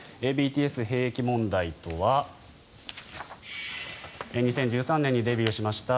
ＢＴＳ兵役問題とは２０１３年にデビューしました